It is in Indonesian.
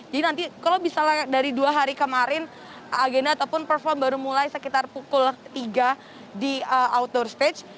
jadi nanti kalau bisa dari dua hari kemarin agenda ataupun perform baru mulai sekitar pukul tiga di outdoor stage